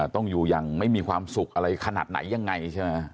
ต้องอยู่อย่างไม่มีความสุขอะไรขนาดไหนยังไงใช่ไหม